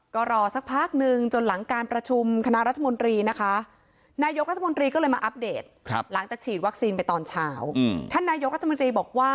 ก็รอสักพักหนึ่งจนหลังการประชุมคณะรัฐมนตรีนะคะ